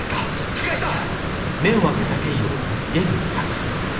深井さん！